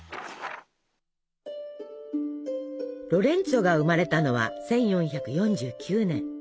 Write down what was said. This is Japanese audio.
ロレンツォが生まれたのは１４４９年。